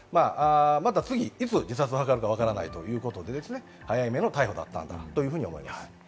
また次、いつ自殺を図るかわからないということで、早めの逮捕だったのかと思います。